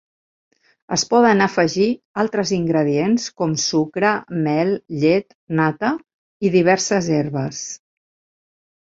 Es poden afegir altres ingredients com sucre, mel, llet, nata i diverses herbes.